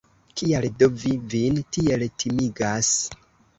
Kial do vi vin tiel timigas?